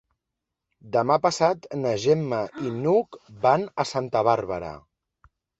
Demà passat na Gemma i n'Hug van a Santa Bàrbara.